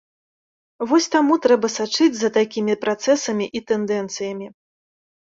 Вось таму трэба сачыць за такім працэсамі і тэндэнцыямі.